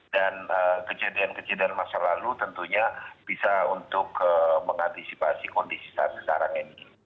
dan kejadian kejadian masa lalu tentunya bisa untuk mengantisipasi kondisi saat sekarang ini